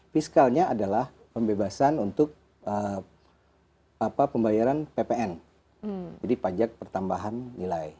fiskalnya adalah pembebasan untuk pembayaran ppn jadi pajak pertambahan nilai